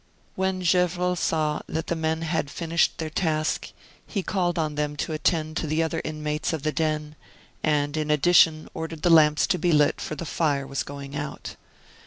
When Gevrol saw that the men had finished their task, he called on them to attend to the other inmates of the den, and in addition ordered the lamps to be lit for the fire was going out.